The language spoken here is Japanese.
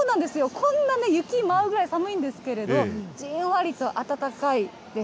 こんなね、雪舞うぐらい寒いんですけれど、じんわりと暖かいです。